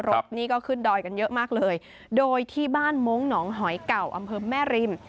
รถนี่ก็ขึ้นดอยกันเยอะมากเลยโดยที่บ้านมงค์หนองหอยเก่าอำเภอแม่ริม